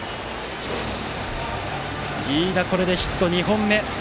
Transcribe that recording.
飯田、これでヒット２本目。